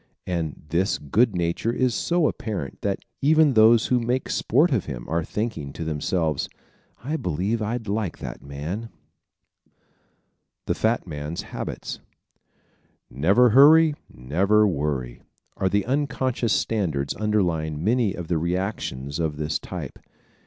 And this good nature is so apparent that even those who make sport of him are thinking to themselves: "I believe I'd like that man." The Fat Man's Habits ¶ "Never hurry and never worry" are the unconscious standards underlying many of the reactions of this type.